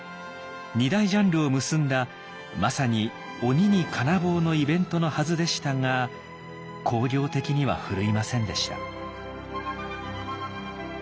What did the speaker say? ２大ジャンルを結んだまさに「鬼に金棒」のイベントのはずでしたが興行的には振るいませんでした。